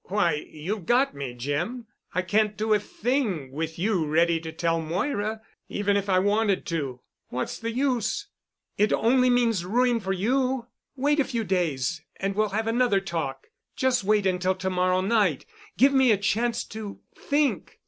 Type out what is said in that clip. Why, you've got me, Jim. I can't do a thing with you ready to tell Moira—even if I wanted to. What's the use? It only means ruin for you. Wait a few days and we'll have another talk; just wait until to morrow night. Give me a chance to think.